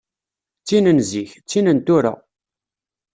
D tin n zik, d tin n tura.